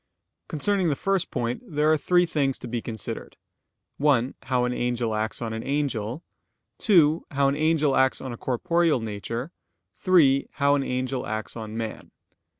Concerning the first point, there are three things to be considered: (1) How an angel acts on an angel; (2) How an angel acts on a corporeal nature; (3) How an angel acts on man.